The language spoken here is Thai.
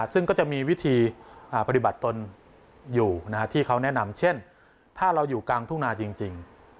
ซึ่งก็จะมีวิธีปฏิบัติตนอยู่ที่เขาแนะนำเช่นถ้าเราอยู่กลางทุ่งนาจริง